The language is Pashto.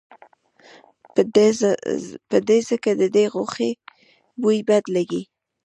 په ده ځکه ددې غوښې بوی بد لګي.